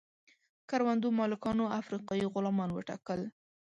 کروندو مالکانو افریقایي غلامان وټاکل.